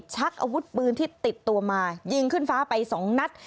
ชักอาวุธปืนที่ติดตัวมายิงขึ้นฟ้าไปสองนัด